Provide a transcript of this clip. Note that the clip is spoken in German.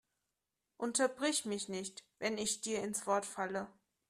Unterbrich mich nicht, wenn ich dir ins Wort falle!